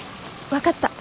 分かった。